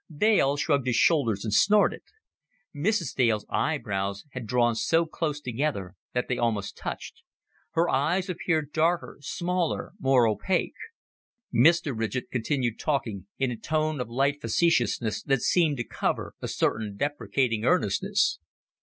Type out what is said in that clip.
'" Dale shrugged his shoulders and snorted. Mrs. Dale's eyebrows had drawn so close together that they almost touched; her eyes appeared darker, smaller, more opaque. Mr. Ridgett continued talking in a tone of light facetiousness that seemed to cover a certain deprecating earnestness.